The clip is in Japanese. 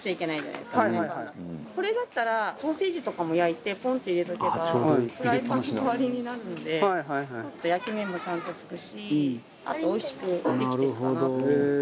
これだったらソーセージとかも焼いてポンって入れておけばフライパンの代わりになるので焼き目もちゃんとつくしあとおいしくできてるかなって。